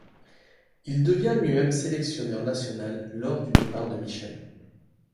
Il devient lui-même, sélectionneur national lors du départ de Michels.